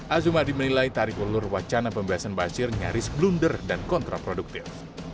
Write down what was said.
azumadi menilai tarik ulur wacana pembebasan basir nyaris blunder dan kontraproduktif